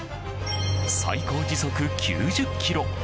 最高時速９０キロ。